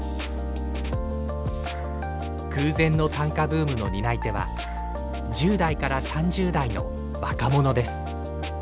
空前の短歌ブームの担い手は１０代から３０代の若者です。